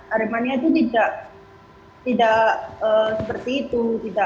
aremania itu tidak seperti itu